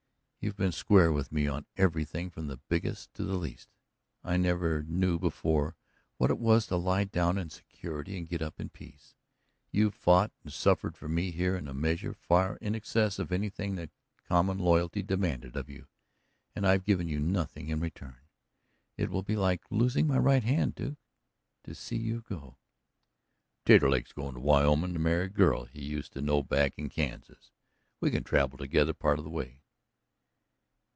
"You've been square with me on everything, from the biggest to the least. I never knew before what it was to lie down in security and get up in peace. You've fought and suffered for me here in a measure far in excess of anything that common loyalty demanded of you, and I've given you nothing in return. It will be like losing my right hand, Duke, to see you go." "Taterleg's going to Wyoming to marry a girl he used to know back in Kansas. We can travel together part of the way."